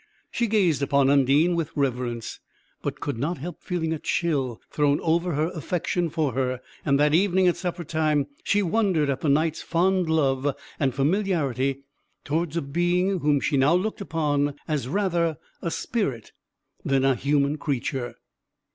She gazed upon Undine with reverence; but could not help feeling a chill thrown over her affection for her; and that evening at supper time, she wondered at the Knight's fond love and familiarity toward a being, whom she now looked upon as rather a spirit than a human creature.